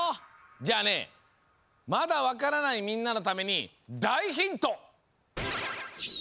じゃあねまだわからないみんなのためにだいヒント！